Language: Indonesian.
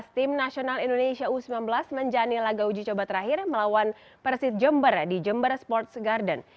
tim nasional indonesia u sembilan belas menjalani laga uji coba terakhir melawan persib jember di jember sports garden